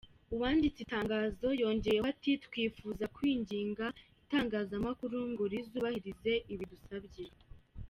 Uwanditse itangazo yongeyeho ati “Twifuza kwinginga itangazamakuru ngo rizubahirize ibi dusabye.